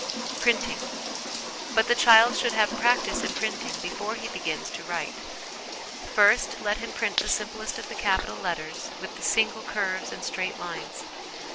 Printing. But the child should have practice in printing before he begins to write. First, let him print the simplest of the capital letters with single curves and straight lines.